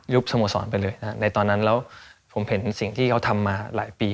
สโมสรไปเลยในตอนนั้นแล้วผมเห็นสิ่งที่เขาทำมาหลายปี